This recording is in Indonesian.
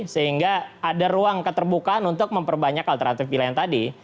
sehingga ada ruang keterbukaan untuk memperbanyak alternatif pilihan tadi